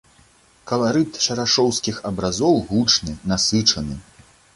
Каларыт шарашоўскіх абразоў гучны, насычаны.